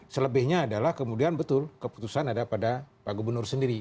selebihnya adalah kemudian betul keputusan ada pada pak gubernur sendiri